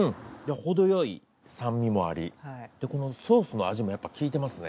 程よい酸味もありでこのソースの味もやっぱ効いてますね。